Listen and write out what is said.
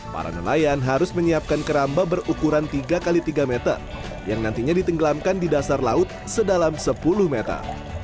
para nelayan harus menyiapkan keramba berukuran tiga x tiga meter yang nantinya ditenggelamkan di dasar laut sedalam sepuluh meter